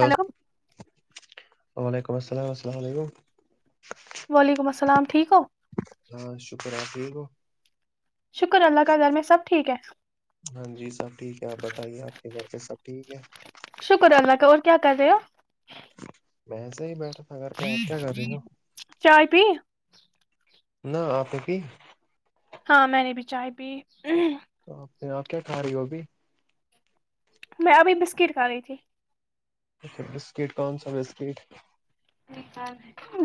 hello [unintelligible] وعلیکم السلام السلام علیکم وعلیکم السلام ٹھیک ہو [unintelligible] ہاں شکر آ یک ہو [unintelligible] شکر اللہ کا گھر میں سب ٹھیک ہے ہاں جی سب ٹھیک ہے آپ بتائیے آپ کے گھر پہ سب ٹھیک ہے شکر اللہ کا اور کیا کر رہے ہو وسے ہی بیٹھا تھا گھر پہ آپ کیا کر رہی ہو چائے پی [unintelligible] نہ آپ پی [unintelligible] ہاں میں نے بھی چائے پی تو آپ آپ کیا کھا رہی ہو ہو بھی میں ابھی بسکٹ کھا رہی تھی اچھا بسکٹ کون سا بسکٹ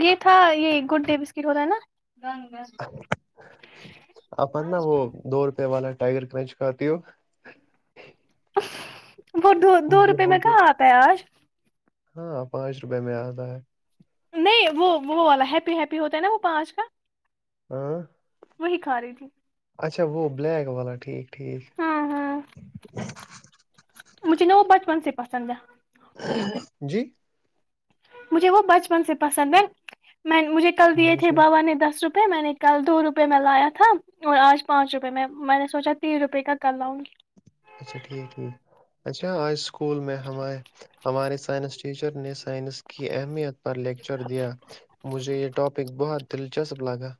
یہ تھا یہ گڈے بسکٹ ہوتا ہےا اپن نا وہ دو روپے والا ٹائیگر کرنچ کتی ہو وہ دو دو مجھے روپے میں بولتے کہاں آتا ہے آج ہاں پانچ روپے میں آتا ہے نہیں وہ وہ والا ہیپی ہیپی ہوتا ہے نا وہ پانچ کا ہاں [unintelligible] وہی کھا رہی تھی اچھا وہ بلییک والا ٹھیک ٹھیک ہاں ہاں [unintelligible] مجھے نا وہ بچپن سے پسند ہے جی [inaudible] مجھے وہ بچپن سے پسند ہے میں مجھے کل دیے تھے مجھے بابا نے دس روپے روپئے میں نے کل دو روپئے میں لایا تھا اور آج پانچ روپئے میں میں نے سوچا تین روپئے کا کر لاؤں گی اچھا ٹھیک ٹھیک اچھا آ [unintelligible] اسکول میں ہم ہماری سائنس ٹیچر نے سائنس کی اہمیت پر لیکچر دیا مجھے یہ ٹاپک بہت دلچسپ لگا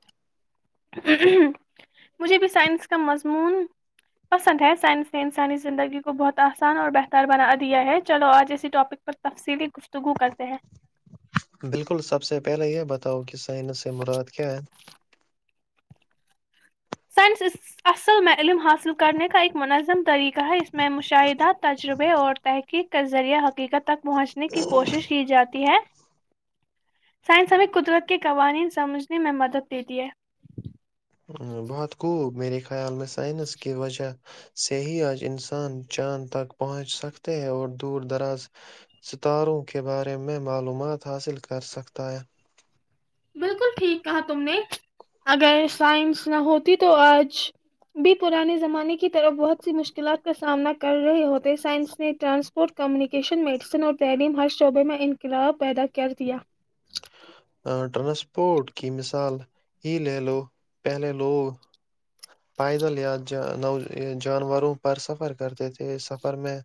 مجھے بھی سائنس کا مضمون پسند ہے سائنس نے انسانی زندگی کو بہت آسان اور بہتر بنا دیا ہے چلو آج ایسی ٹاپک پر تفصیلی گفتگو کرتے ہیں بالکل سب سے پہلے یہ بتاؤ کہ سائنس مراد کیا ہے سائنس اصل میں علم حاصل کرنے کا ایک منظم طریقہ ہے اس میں مشاہدہ تجربے اور تحقیق کا ذریعہ حقیقت تک پہنچنے کی کوشش کی جاتی ہے [unintelligible] سائنسب قدرت کے قوانین سمجھنے میں مدد دیتی ہے بہت خوب میرے خیال میں سائنس کی وجہ سے ہی آج انسان چاند تک پہنچ سکتے ہے اور دور دراز ستاروں کے بارے میں معلومات حاصل کرسکتا ہے بالکل ٹھیک کہا تم نے اگر سائنس نہ ہوتی تو آج بھی پرانے زمانے کی طرف بہت سی مشکلات کا سامنا کر رہے ہوتے سائنس نے ٹرانسپورٹ کمیونیکیشن میڈیسن اور تعلیم ہر شعبے میں انقلاب پیدا کر دیا ٹرانسپورٹ کی مثال ہی لے لو پہلے لوگ پائیدل یا جانوروں پر سفر کرتے تھے سفر میں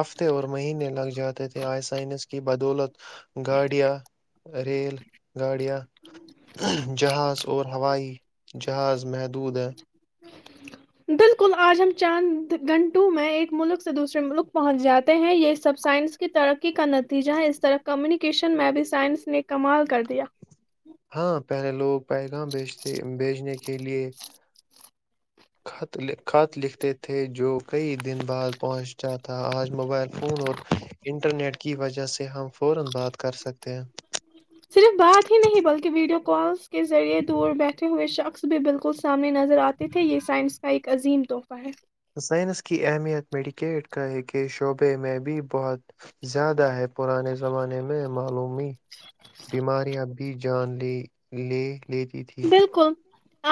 ہفتے اور مہینے لگ جاتے تھے آئسائنس کی بدولت گاڑیاں ریل گاڑیاں جہاز اور ہوائی جہاز محدود ہے بالکل آج ہم چند گھنٹوں میں ایک ملک سے دوسرے ملک پہنچ جاتے ہیں یہ سب سائنس کی ترقی کا نتیجہ ہے اس طرح کمیونیکیشن میں بھی سائنس نے کمال کر دیا ہاں پہلے لوگ پیغاں بیچتے بیچنے کے لیے خط لکھتے تھے جو کئی دن بعد پہنچتا تھا آج موبائل فون اور انٹرنیٹ کی وجہ سے ہم فورا بات کر سکتے ہیں صرف بات ہی نہیں بلکہ ویڈیو کالس کے ذریعے دور بیٹھے ہوئے شخص بھی بالکل سامنے نظر آتے تھے یہ سائنس کا ایک عظیم تحفہ ہے سائنس کی اہمیت میڈیکیٹ کا ہے کہ شعبے میں بھی بہت زیادہ ہے پرانے زمانے میں معلومی بیماریاں بھی جان لی لے لیتی تھی بالکل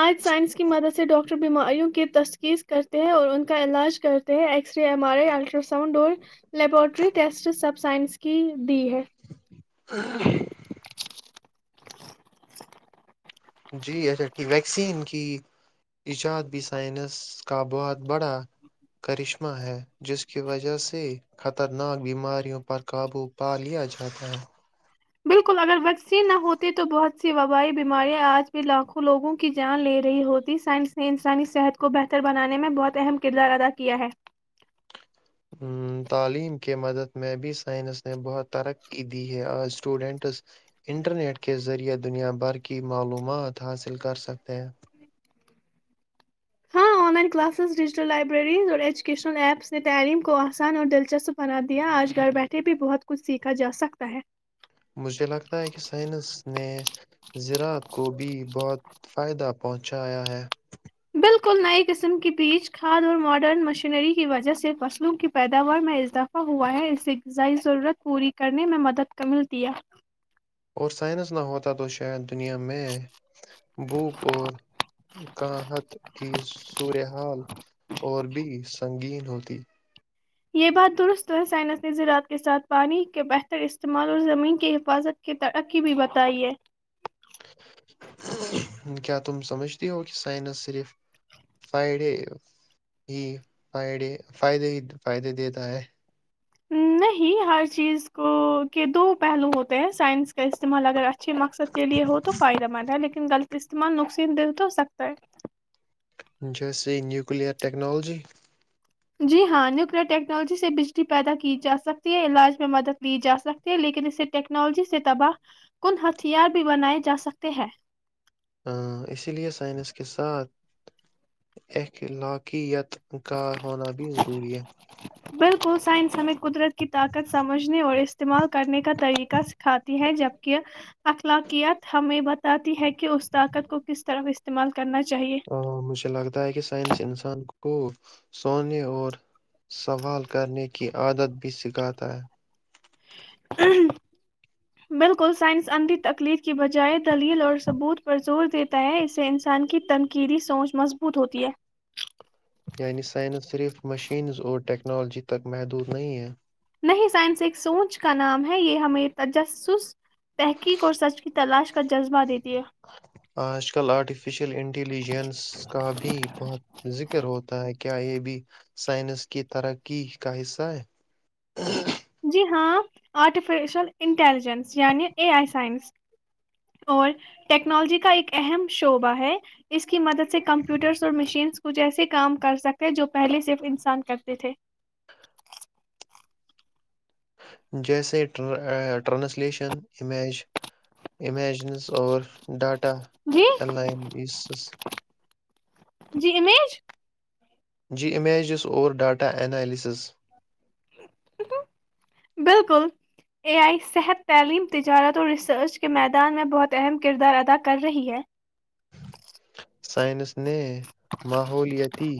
آج سائنس کی مدد سے ڈاکٹر بیماریوں کی تشخیص کرتے ہیں اور ان کا علاج کرتے ہیں X ray M R I ultrasound اور لیبورٹری ٹیسٹ سب سائنس کی دی ہے ہاں جی اچھا ٹھیک ویکسین کی ایجاد بھی سائنس کا بہت بڑا کرشمہ ہے جس کی وجہ سے خطرناک بیماریوں پر قابو پا لیا جاتا ہے بالکل اگر سے نہ ہوتے تو بہت سی وبائی بیماریاں آج بھی لاکھوں لوگوں کی جان لے رہی ہوتی سائنس نے انسانی صحت کو بہتر بنانے میں بہت اہم کردار ادا کیا ہے تعلیم کے مدد میں بھی سائنس نے بہت ترقی دی ہے آج اسٹوڈنٹس انٹرنیٹ کے ذریعہ دنیا بھر کی معلومات حاصل کر سکتے ہیں ہاں online classes digital libraries اور ایجوکیشنل ایپس نے تعلیم کو آسان اور دلچسپ بنا دیا آج گھر بیٹھے بھی بہت کچھ سیکھا جا سکتا ہے مجھے لگتا ہے کہ سائنس نے زذراعت کو بھی بہت فائدہ پہنچایا ہے بالکل نئی قسم کے بیج کھاد اور ماڈرن مشینری کی وجہ سے فصلوں کی پیداوار میں اضافہ ہوا ہے اسے غذائی ضرورت پوری کرنے میں مدد ملتی ہے اور سائنس نہ ہوتا تو شاید دنیا میں بھوپ اور کااہت کی صورحال اور بھی سنگین ہوتی یہ بات درست ہے سائنس نے زراعت کے ساتھ پانی کے بہتر استعمال اور زمین کی حفاظت کی ترقی بھی بتائی ہے کیا تم سمجھتی ہو کہ سائنس صرف فائیڈے ہی فائیڈے فائدے ہی فائدے دیتا ہے نہیں ہر چیز کو کے دو پہلو ہوتے ہیں سائنس کا استعمال اگر اچھے مقصد کے لئے ہو تو فائدہ مند ہے لیکن غلط استعمال نقصین دہ تو ہو سکتا ہے جیسے نیوکلیئر ٹیکنالوجی جی ہاں نیوکلئر ٹیکنالوجی سے بجلی پیدا کی جا سکتی ہے علاج میں مدد لی جا سکتی ہے لیکن اسے ٹیکنالوجی سے تباہ کن ہتھیار بھی بنائے جا سکتے ہیں ہ اسی لیئے سائنس کے ساتھ اخلاقیت کا ہونا بھی ضروری ہے بالکل سائنس ہمیں قدرت کی طاقت سمجھنے اور استعمال کرنے کا طریقہ سکھاتی ہے جبکہ اخلاقیات ہمیں بتاتی ہے کہ اس طاقت کو کس طرف استعمال کرنا چاہیے ا مجھے لگتا ہے کہ سائنس انسان کو کو سونے اور سوال کرنے کی عادت بھی سھ کہ آتا ہے بالکل سائنس اندھی تکلیف کی بجائے دلیل اور ثبوت پر زور دیتا ہے اس سے انسان کی تنقیدی سوچ مضبوط ہوتی ہے یعنی سائنس صرف مشینز اور ٹیکنالوجی تک محدود نہیں ہے نہیں سائنس ایک سوچ کا نام ہے یہ ہمیں تجسس تحقیق اور سچ کی تلاش کا جذبہ دیتی ہے آج کل آرٹیفیشیل انٹیلیجنس کا بھی بہت ذکر ہوتا ہے کہ کیا یہ بھی سائنس کی ترقی کا حصہ ہے جی ہاں آرٹیفیشیل انٹیلیجنس یعنی اے آئی سائنس اور ٹیکنالوجی کا ایک اہم شعبہ ہے اس کی مدد سے کمپیوٹرس اور مشینس کچھ ایسے کام کر سکتے جو پہلے صرف انسان کرتے تھے جیسے ٹرانسلیشن امیج امیجنس اور ڈاٹا جی ارلائن اس جی امیج جی امیج اس او ڈاٹا انینالس سیچز بالکل اے آئی صحت تعلیم تجارت اور ریسرچ کے میدان میں بہت اہم کردار ادا کر رہی ہے سائنس نے ماحولتی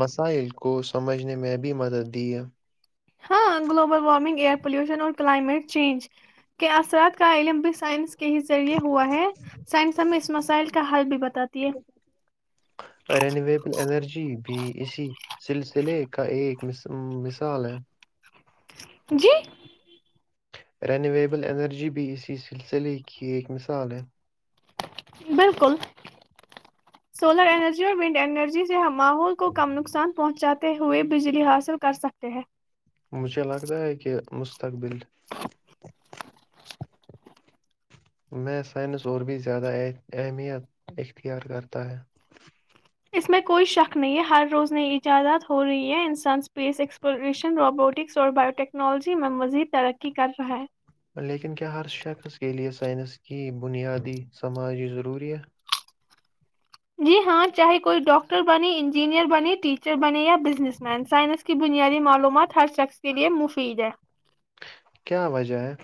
مسائل کو کو سمجھنے میں بھی مدد دی ہے ہاں گلوبل وارمنگ ایئر پلیوشن اور کلائمیٹ چینج کے اثرات کا علم بھی سائنس کے ہی ذریعے ہوا ہے سائنس ہمیں اس مسائل کا حل بھی بتا رینیویبل انرجی بھی اسی سلسلے کا ایک م مثال ہے جی رینویبل انرجی بھی اسی سلسلے کی ایک مثال ہے بالکل سولر ارجی اور ونڈ اینرجی سے ہم ماحول کو کم نقصان پہنچاتا تے ہوئے بجلی حاصل کر سکتے ہیں مجھے لگتا ہے کہ م مستقبل میں سائنس اور بھی زیادہ اہمیت اختیار کرتا ہے اس میں کوئی شک نہیں ہے ہر روز نئی ایجادات ہو رہی ہے انسان اسپیس ایکسپلوریشن روبوٹکس اور باوٹیکنالوجی میں مزید ترقی کر رہا ہے لیکن کیا ہر شک ہے کے لیے س سائنس کی بنیادی سماجی ضرورت جی ہاں چاہے کوئی ڈاکٹر بنے انجینئر بنے ٹیچر بنے یا بزنس مین سائنس کی بنیادی معلومات ہر شخص کے لیے مفید ہے وائی جائے ہے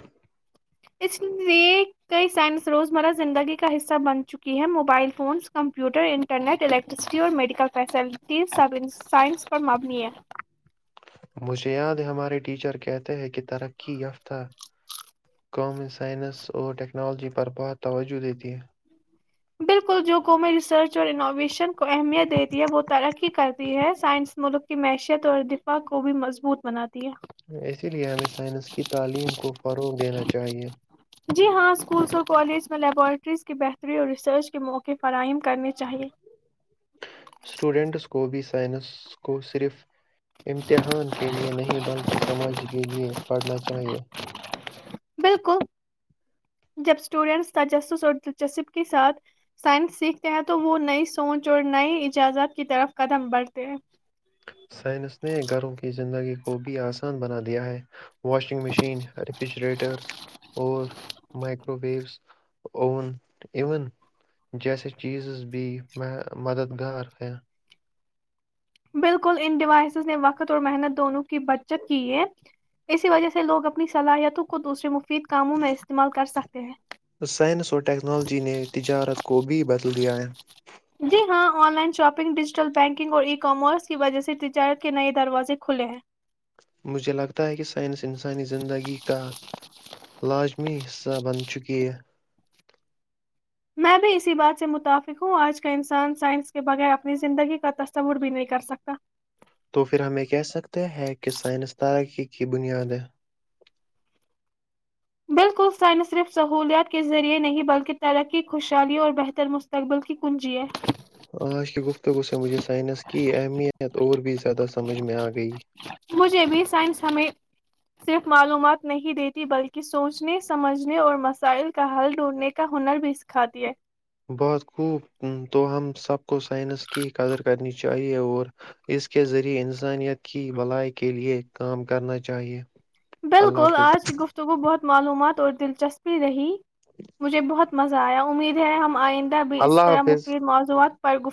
اس لئے کئی سائنس روزمرہ زندگی کا حصہ بن چکی ہیں mobile phones computer internet electricity اور میڈیکل فیسلٹیز سب سائنس پر مبنی ہے مجھے یاد ہے ہمارے ٹیچر کہتے ہیں کنے ترقی یافتہ کامن سائنس اور ٹیکنالوجی پر بہت توجہ دیتی ہے بالکل جو قوم ریسرچ اور انوویشن کو اہمیت دیتی ہے وہ ترقی کرتی ہے سائنس ملک کی معیشیت اور دفاع کو بھی مضبوط بناتی ہے اسی لیے ہمیں سائنس کی تعلیم کو فروغ دینا چاہیے جی ہاں اسکولس اور کالج میں لیبورٹریز کی بہتری اور ریسرچ کے موقع فراہم کرنے چاہیے اسٹوڈنٹس کو بھی، سائنس کو صرف امتحان کیلئے نہیں بلکہ سماجھ کے لیے پڑھنا چاہیئے بالکل جب اسٹوڈینٹس تجسس اور دلچسپ کے ساتھ سائنس سیکھتے ہیں تو وہ نئی سوچ اور نئی اجازت کی طرف قدم بڑھتے ہیں سائنس نے گھروں کی زندگی کو بھی آسان بنا دیا ہے، واشنگ مشین ریفریجریٹرز اور مائکرو ویوز اوون ایون جیسیے چیزز بھی مددگار ہیں بالکل ان ڈیوائسز نے وقت اور محنت دونوں کی بچت کی ہے اسی وجہ سے لوگ اپنی صلاحیتوں کو دوسرے م سائنس اور ٹیکنالوجی نے تجارت کو بھی بدل دیا ہے جی ہاں online shopping digital banking اور ای کامرس کی وجہ سے تجارت کے نئے دروازے کھلے ہیں مجھے لگتا ہے کہ سائنس انسانی زندگی کا لازمی حصہ بن چکی ہے میں بھی اسی بات سے متفق ہوں آج کا انسان سائنس کے بغیر اپنی زندگی کا تصور بھی نہیں کر سکتا تو پھر ہمیں کہہ سکتے ہیں کہ سائنسدار کیی کی بنیادیں بالکل سائنس صرف سہولیات کے ذریعے نہیں بلکہ ترقی خوشحالی اور بہتر مستقبل کی کنجی ہے آج کی گفتگو سے مجھے سائنس کی اہمیت اور بھی زیادہ سمجھ میں آ گئی مجھے بھی سائنس ہمیں صرف معلومات نہیں دیتی بلکہ سوچنے سمجھنے اور مسائل کا حل ڈھونڈھنے کا ہنر بھی سکھاتی ہے بات خ تو ہم سب کو سائنس کی قدر کرنی چاہیئے اور اس کے ذریعے انسانیت کی بھلائی کے لئے کام کرنا چاہئے بالکل آج کی گفتگو بہت معلومات اور دلچسپی رہی مجھے بہت مزہ آیا امید ہے ہم آئند بھی اس اللہ طرح حافظ مفید موضوعات [unintelligible] پررگ [unintelligible]